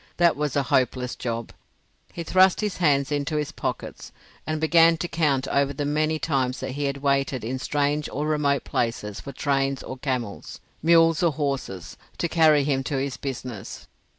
That was a hopeless job; he thrust his hands into his pockets and began to count over the many times that he had waited in strange or remote places for trains or camels, mules or horses, to carry him to his business.